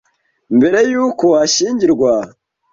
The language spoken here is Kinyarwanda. mbere y uko ashyingirwa